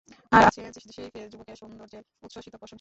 আর আছে সেই যুবকের সৌন্দর্যের উচ্ছ্বসিত প্রশংসা।